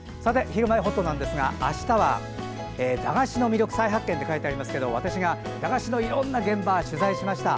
「ひるまえほっと」ですがあしたは駄菓子の魅力再発見ということで私が駄菓子のいろんな現場を取材しました。